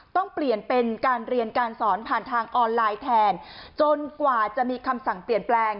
ต้องเปลี่ยนเป็นการเรียนการสอนผ่านทางออนไลน์แทนจนกว่าจะมีคำสั่งเปลี่ยนแปลง